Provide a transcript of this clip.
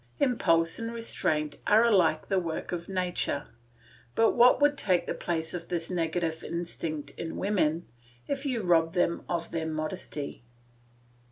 Impulse and restraint are alike the work of nature. But what would take the place of this negative instinct in women if you rob them of their modesty?